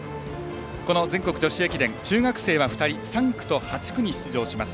この全国女子駅伝、中学生は２人３区と８区に出場します。